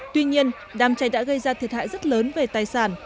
tuy nhiên đám cháy đã gây ra thiệt hại rất lớn về tài sản